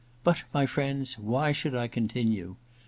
But, my friends, why should I continue?